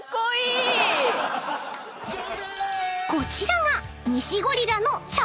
［こちらが］